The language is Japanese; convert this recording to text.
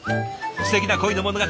すてきな恋の物語